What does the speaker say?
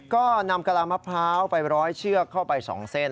ก็นำกะลามะพร้าวไปร้อยเชือกเข้าไป๒เส้น